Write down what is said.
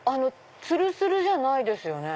つるつるじゃないですよね。